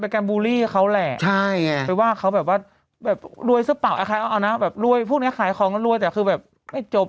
การบูลลี่เขาแหละหรือว่าเขาแบบว่ารวยซะเปล่าพวกนี้ขายของก็รวยแต่คือแบบไม่จบ